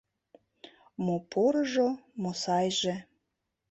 Мо порыжо, мо сайже —